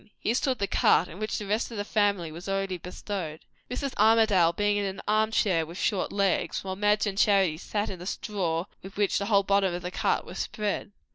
Here stood the cart, in which the rest of the family was already bestowed; Mrs. Armadale being in an arm chair with short legs, while Madge and Charity sat in the straw with which the whole bottom of the cart was spread.